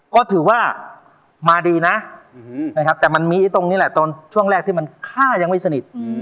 ก็ถือว่ามาดีนะนะครับแต่มันมีตรงนี้แหละตอนช่วงแรกที่มันฆ่ายังไม่สนิท